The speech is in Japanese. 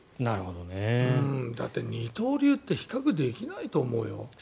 だって、二刀流って比較できないと思うよ。